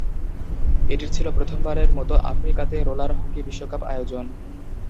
এটি ছিল প্রথমবারের মতো আফ্রিকাতে রোলার হকি বিশ্বকাপ আয়োজন।